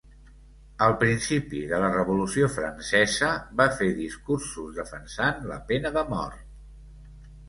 Al principi de la Revolució francesa va fer discursos defensant la pena de mort.